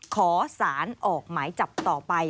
ขอสารออกหมายจับต่อไป